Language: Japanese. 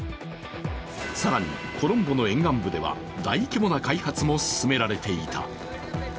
更に、コロンボの沿岸部では大規模な開発も進められていた。